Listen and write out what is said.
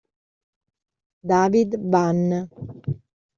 David Vann